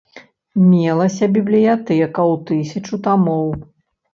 Мелася бібліятэка ў тысячу тамоў.